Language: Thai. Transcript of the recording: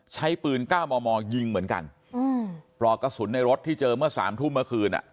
ใช้ปืนก้าวมอยิงเหมือนกันหรอกระสุนในรถที่เจอเมื่อ๓ทุ่มเมื่อคืน